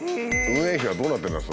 運営費はどうなってるんだ？